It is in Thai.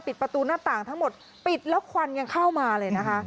ประตูหน้าต่างทั้งหมดปิดแล้วควันยังเข้ามาเลยนะคะ